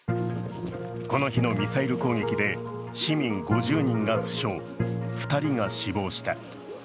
この日のミサイル攻撃で市民５０人が負傷、２人が死亡した。